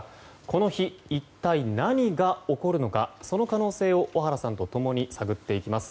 この日、一体何が起こるのかその可能性を小原さんと共に探っていきます。